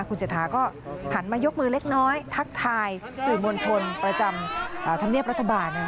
คุณเศรษฐาก็หันมายกมือเล็กน้อยทักทายสื่อมวลชนประจำธรรมเนียบรัฐบาล